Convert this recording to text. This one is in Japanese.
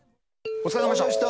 お疲れさまでした。